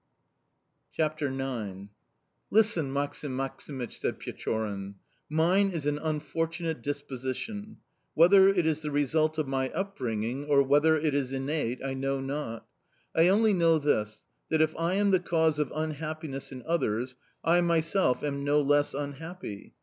CHAPTER IX "'LISTEN, Maksim Maksimych,' said Pechorin. 'Mine is an unfortunate disposition; whether it is the result of my upbringing or whether it is innate I know not. I only know this, that if I am the cause of unhappiness in others I myself am no less unhappy.